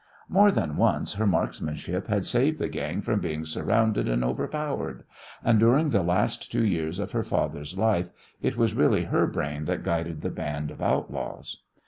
More than once her marksmanship had saved the gang from being surrounded and overpowered, and during the last two years of her father's life it was really her brain that guided the band of outlaws.